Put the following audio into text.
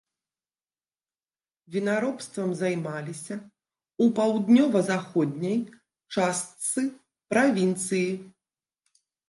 Вінаробствам займаліся ў паўднёва-заходняй частцы правінцыі.